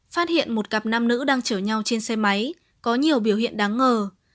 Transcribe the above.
phát hiện một cặp nam nữ đang chở nhau trên xe máy có nhiều biểu hiện đáng ngờ